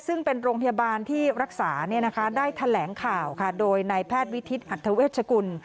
ซึ่งเป็นโรงพยาบาลที่รักษาได้แถลงข่าวค่ะโดยนายแพทย์วิทิศอัธเวชกุล